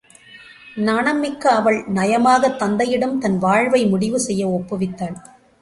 நாணம் மிக்க அவள் நயமாகத் தந்தையிடம் தன் வாழ்வை முடிவு செய்ய ஒப்புவித்தாள்.